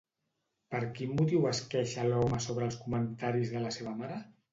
Per quin motiu es queixa l'home sobre els comentaris de la seva mare?